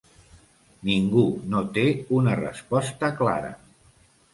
Ningú no té una resposta clara.